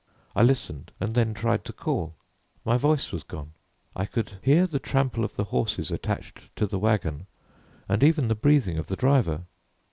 I listened and then tried to call. My voice was gone. I could hear the trample of the horses attached to the wagon, and even the breathing of the driver.